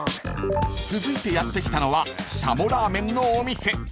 ［続いてやって来たのは軍鶏ラーメンのお店］